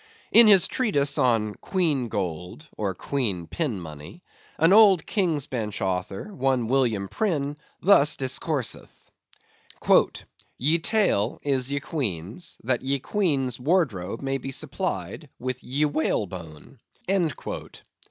In his treatise on "Queen Gold," or Queen pinmoney, an old King's Bench author, one William Prynne, thus discourseth: "Ye tail is ye Queen's, that ye Queen's wardrobe may be supplied with ye whalebone."